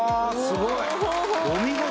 すごい！